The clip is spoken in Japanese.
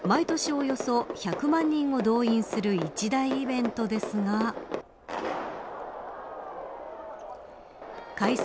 およそ１００万人を動員する一大イベントですが開催